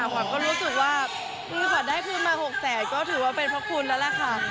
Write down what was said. ผมก็รู้สึกว่าถึงก่อนได้พื้นมา๖๐๐๐๐๐ก็ถือว่าเป็นเพราะคุณแล้วล่ะค่ะ